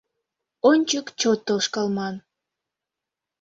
Ончык чот тошкалман.